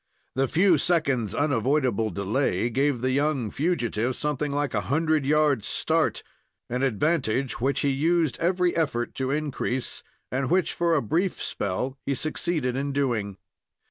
The few seconds' unavoidable delay gave the young fugitive something like a hundred yards start, an advantage which he used every effort to increase, and which, for a brief spell, he succeeded in doing.